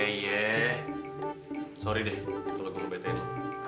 maaf deh kalau gue ngebetein lo